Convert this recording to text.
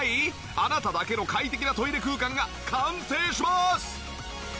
あなただけの快適なトイレ空間が完成します！